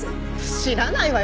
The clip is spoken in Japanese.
知らないわよ